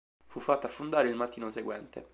Fu fatta affondare il mattino seguente.